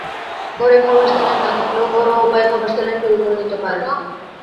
ঘরে খাবার স্যালাইন না থাকলেও ঘরোয়া উপায়ে খাবার স্যালাইন তৈরি করে নিতে পারেন।